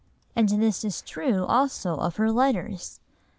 '" And this is true also of her letters.